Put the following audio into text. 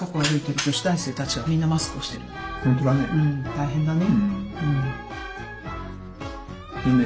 大変だね。